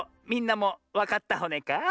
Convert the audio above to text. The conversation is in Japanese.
みんなもわかったホネか？